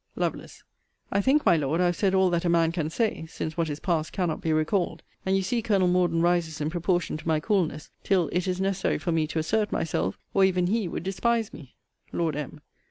Lovel. I think, my Lord, I have said all that a man can say, (since what is passed cannot be recalled:) and you see Colonel Morden rises in proportion to my coolness, till it is necessary for me to assert myself, or even he would despise me. Lord M.